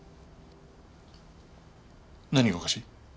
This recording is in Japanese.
何がおかしい？